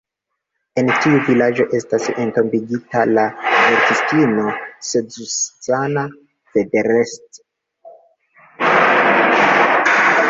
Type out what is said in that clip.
En tiu vilaĝo estas entombigita la verkistino Zsuzsanna Ferencz.